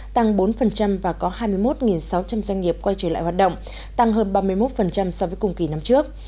tăng bốn và có hai mươi một sáu trăm linh doanh nghiệp quay trở lại hoạt động tăng hơn ba mươi một so với cùng kỳ năm trước